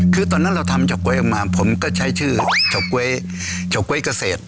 คือตอนนั้นเราทำเฉาก๊วยออกมาผมก็ใช้ชื่อเฉาก๊วยเฉาก๊วยเกษตร